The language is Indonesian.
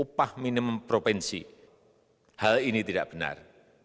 upah minimum provinsi hal ini tidak benar